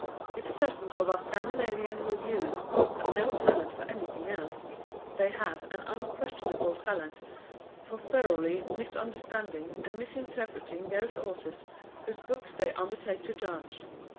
If certain of our Scandinavian reviewers have no talent for anything else, they have an unquestionable talent for thoroughly misunderstanding and misinterpreting those authors whose books they undertake to judge....